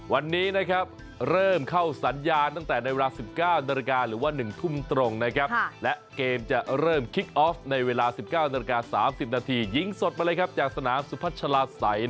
วันนี้นะครับเริ่มเข้าสัญญาณตั้งแต่ในเวลา๑๙นหรือว่า๑ทุ่มตรงนะครับและเกมจะเริ่มคิกออฟในเวลา๑๙น๓๐นยิงสดมาเลยครับจากสนามสุพัชลาไส